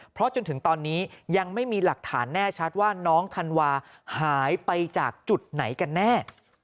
เพราะจนถึงตอนนี้ยังไม่มีหลักฐานแน่ชัดว่าน้องธันวาหายไปจากจุดไหนกันแน่